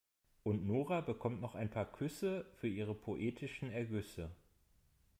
Und Nora bekommt noch ein paar Küsse für ihre poetischen Ergüsse.